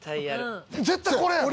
絶対これやろ。